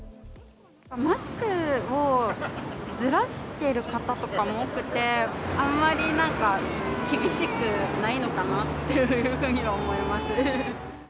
マスクをずらしてる方とかも多くて、あんまりなんか厳しくないのかなっていうふうには思います。